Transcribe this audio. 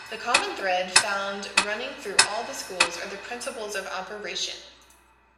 The common thread found running through all the schools are the principles of operation.